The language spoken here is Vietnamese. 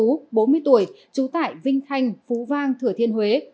bốn mươi tuổi trú tại vinh thanh phú vang thửa thiên huế